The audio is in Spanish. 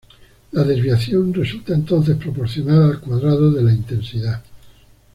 La desviación resulta entonces proporcional al cuadrado de la intensidad.